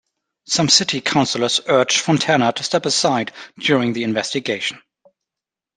Some city councillors urged Fontana to step aside during the investigation.